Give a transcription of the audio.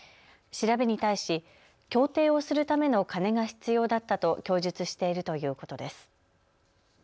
調べに対し競艇をするための金が必要だったと供述しているということです。